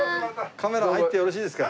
カメラ入ってよろしいですか？